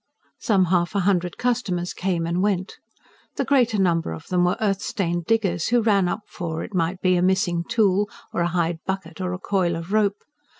Some half a hundred customers came and went. The greater number of them were earth stained diggers, who ran up for, it might be, a missing tool, or a hide bucket, or a coil of rope.